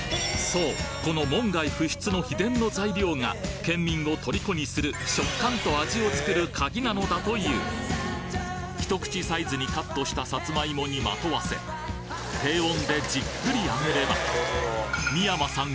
そうこの門外不出の秘伝の材料がケンミンを虜にする食感と味を作る鍵なのだという一口サイズにカットしたサツマイモにまとわせ低温でじっくり揚げれば三山さん